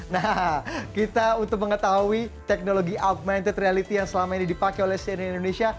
nah kita untuk mengetahui teknologi augmented reality yang selama ini dipakai oleh cnn indonesia